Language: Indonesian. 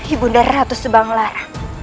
ibu nda ratu subang lara